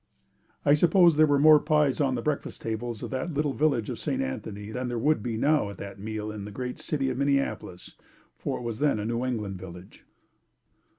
I suppose there were more pies on the breakfast tables of that little village of St. Anthony than there would be now at that meal in the great city of Minneapolis, for it was then a New England village.